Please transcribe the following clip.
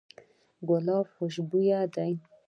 ګلاب خوشبوی دی.